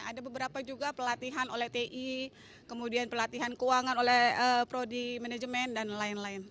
ada beberapa juga pelatihan oleh ti kemudian pelatihan keuangan oleh prodi manajemen dan lain lain